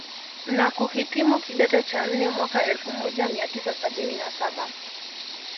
na kuhitimu kidato cha nne mwaka Elfu moja mia tisa sabini na saba